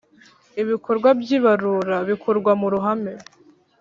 Ibikorwa by ibarura bikorwa mu ruhame